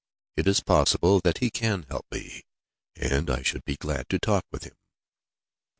"It is possible that he can help me, and I should be glad to talk with him."